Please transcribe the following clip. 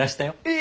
え！